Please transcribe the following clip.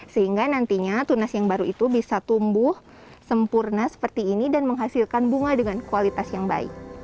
sehingga nantinya tunas yang baru itu bisa tumbuh sempurna seperti ini dan menghasilkan bunga dengan kualitas yang baik